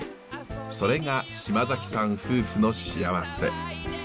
それが嶋さん夫婦の幸せ。